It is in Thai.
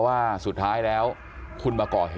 แต่ว่าวินนิสัยดุเสียงดังอะไรเป็นเรื่องปกติอยู่แล้วครับ